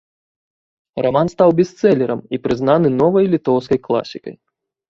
Раман стаў бестселерам і прызнаны новай літоўскай класікай.